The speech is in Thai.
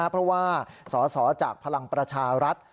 เพราะว่าสอสอจากพลังประชารัฐ